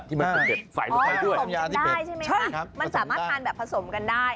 อ๋อผสมกันได้ใช่ไหมครับมันสามารถทานแบบผสมกันได้